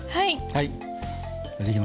はい。